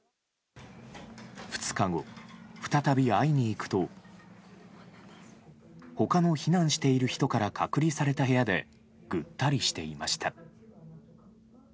２日後、再び会いに行くと他の避難している人から隔離された部屋でぐったりしていました。